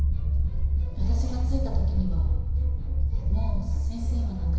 私が着いた時にはもう先生は亡くなってた。